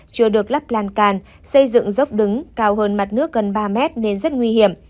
chưa được lắp lan can xây dựng dốc đứng cao hơn mặt nước gần ba mét nên rất nguy hiểm